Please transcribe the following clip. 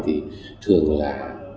thì thường là